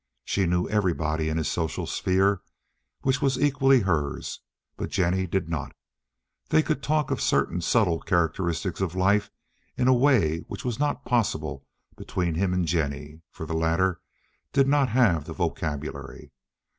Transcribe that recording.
She knew everybody in his social sphere, which was equally hers, but Jennie did not. They could talk of certain subtle characteristics of life in a way which was not possible between him and Jennie, for the latter did not have the vocabulary.